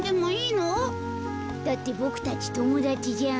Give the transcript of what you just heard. だってボクたちともだちじゃん。